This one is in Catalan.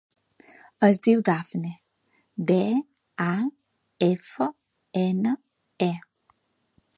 Es diu Dafne: de, a, efa, ena, e.